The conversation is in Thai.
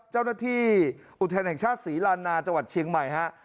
เจ้าหน้าที่อุทยานแห่งชาติศรีลานาจังหวัดเชียงใหม่ฮะ